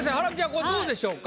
これどうでしょうか？